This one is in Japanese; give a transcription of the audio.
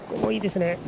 いいですね。